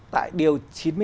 tại điều chín mươi năm